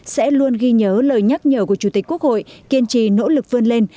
sẽ luôn ghi nhớ lời nhắc nhở của chủ tịch quốc hội kiên trì nỗ lực vươn lên